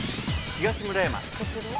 東村山。